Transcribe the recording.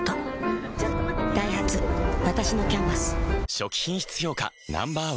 初期品質評価Ｎｏ．１